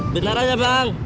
beneran ya bang